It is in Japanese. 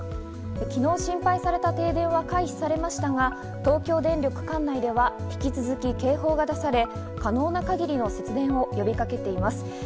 昨日、心配された停電は回避されましたが東京電力管内では引き続き警報が出され、可能な限りの節電を呼びかけています。